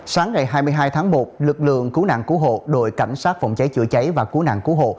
sáng ngày hai mươi hai tháng một lực lượng cứu nạn cứu hộ đội cảnh sát phòng cháy chữa cháy và cứu nạn cứu hộ